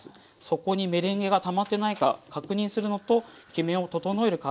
底にメレンゲがたまってないか確認するのときめを整える感じで。